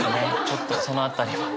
ちょっとその辺りは。